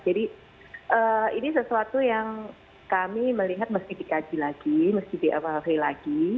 jadi ini sesuatu yang kami melihat mesti dikaji lagi mesti diawal awali lagi